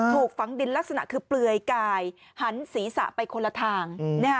ถูกฝังดินลักษณะคือเปลือยกายหันศีรษะไปคนละทาง